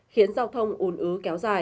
khiến giao thông ùn ứ kéo dài